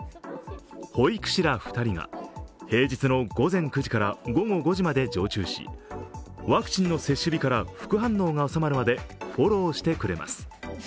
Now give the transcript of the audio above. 保育士ら２人が平日の午前９時から午後５時まで常駐しワクチンの接種日から副反応が収まるまでフォローしてくれます。